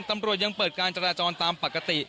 ตำรวจยังเปิดการจราจรตามปกติ